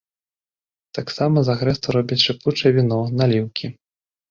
Таксама з агрэсту робяць шыпучае віно, наліўкі.